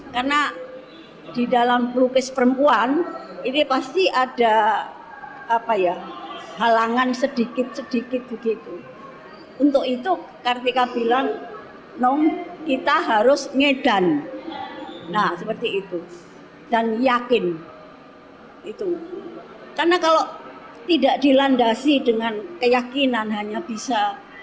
karena kalau tidak dilandasi dengan keyakinan hanya bisa teknik melukis saja dengan nggak bisa